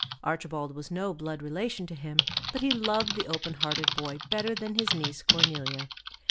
Archibald was no blood relation to him, but he loved the open hearted boy better than his niece Cornelia.